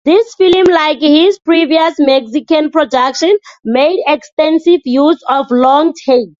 This film, like his previous Mexican production, made extensive use of long-takes.